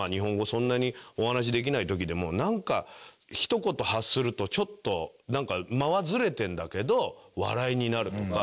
そんなにお話しできない時でもなんかひと言発するとちょっとなんか間はズレてるんだけど笑いになるとか。